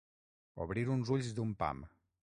Obrir uns ulls d'un pam.